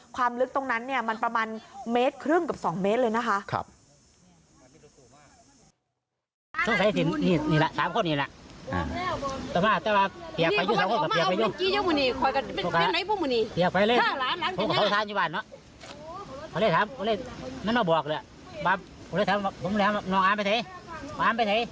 ความลึกตรงนั้นมันประมาณ๑๕เมตรกับ๒เมตรเลยนะคะ